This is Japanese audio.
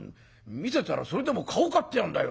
見せたらそれでも顔かって言うんだよ。